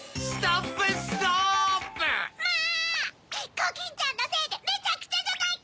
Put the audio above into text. コキンちゃんのせいでめちゃくちゃじゃないか！